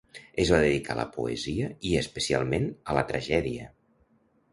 Es va dedicar a la poesia i especialment a la tragèdia.